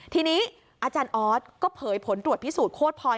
ทีนี้อาจารย์ออสก็เผยผลตรวจพิสูจนโคตรพลอย